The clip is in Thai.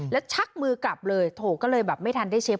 แล้วชักมือกลับเลยโถก็เลยแบบไม่ทันได้เชฟ